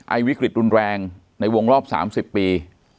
วิกฤตรุนแรงในวงรอบ๓๐ปี